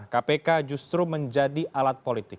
kpk justru menjadi alat politik